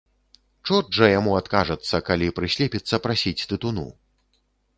Чорт жа яму адкажацца, калі прыслепіцца прасіць тытуну.